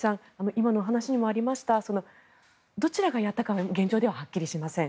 今の話にもありましたどちらがやったかは現状では、はっきりしません。